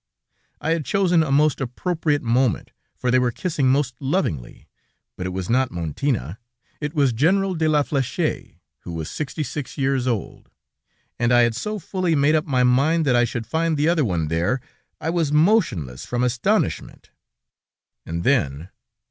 I had chosen a most appropriate moment, for they were kissing most lovingly, but it was not Montina; it was General de la Fléche, who was sixty six years old, and I had so fully made up my mind that I should find the other one there, I was motionless from astonishment. "And then